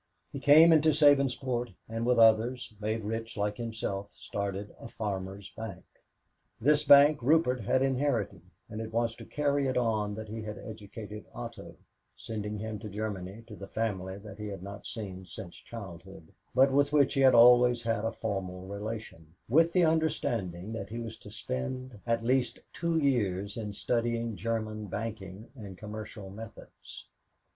He came into Sabinsport and with others, made rich like himself, started a farmers' bank. This bank Rupert had inherited, and it was to carry it on that he had educated Otto, sending him to Germany to the family he had not seen since childhood but with which he had always had a formal relation, with the understanding that he was to spend at least two years in studying German banking and commercial methods.